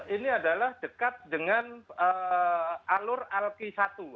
ini adalah dekat dengan alur alki satu